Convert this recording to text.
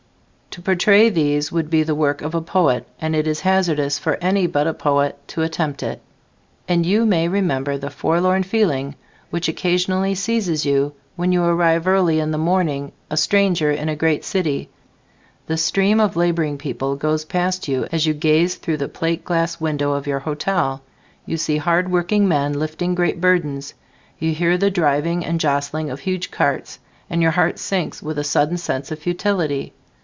To portray these would be the work of a poet, and it is hazardous for any but a poet to attempt it. You may remember the forlorn feeling which occasionally seizes you when you arrive early in the morning a stranger in a great city: the stream of laboring people goes past you as you gaze through the plate glass window of your hotel; you see hard working men lifting great burdens; you hear the driving and jostling of huge carts and your heart sinks with a sudden sense of futility.